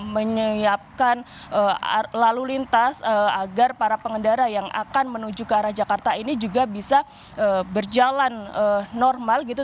menyiapkan lalu lintas agar para pengendara yang akan menuju ke arah jakarta ini juga bisa berjalan normal gitu